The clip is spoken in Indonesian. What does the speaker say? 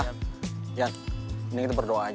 kayanya pengen ambil kosong